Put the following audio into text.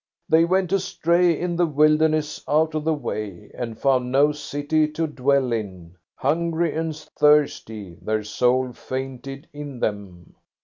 They went astray in the wilderness out of the way, and found no city to dwell in. Hungry and thirsty, their soul fainted in them.